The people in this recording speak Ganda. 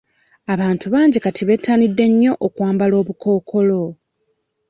Abantu bangi kati betanidde nnyo okwambala obukookolo.